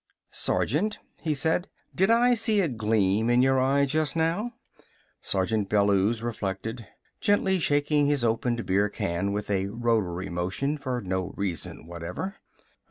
"Sergeant," he said, "did I see a gleam in your eye just now?" Sergeant Bellews reflected, gently shaking his opened beer can with a rotary motion, for no reason whatever.